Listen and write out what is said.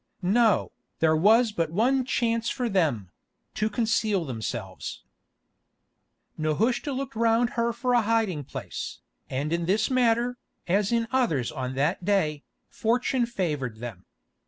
No, there was but one chance for them—to conceal themselves. Nehushta looked round her for a hiding place, and in this matter, as in others on that day, fortune favoured them.